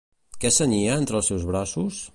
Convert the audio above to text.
Què cenyia entre els seus braços?